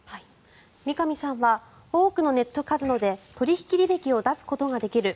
三上さんは多くのネットカジノで取引履歴を出すことができる。